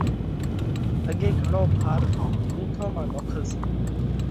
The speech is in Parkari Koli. اڳي گھڻو ڀار اُونٺون مانه نوکل سئہ